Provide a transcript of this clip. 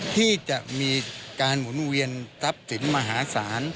ที่จะมีการหมุนเวียนทรัพย์สินมหาศาล